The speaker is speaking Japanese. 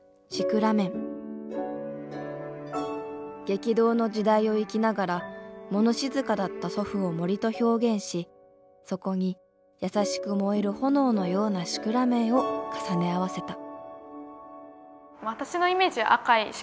激動の時代を生きながらもの静かだった祖父を森と表現しそこに優しく燃える炎のようなシクラメンを重ね合わせた。